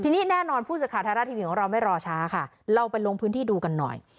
ทีนี้แน่นอนผู้สื่อข่าวไทยรัฐทีวีของเราไม่รอช้าค่ะเราไปลงพื้นที่ดูกันหน่อย